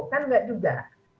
kan nggak juga